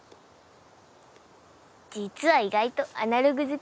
実は意外とアナログ好き？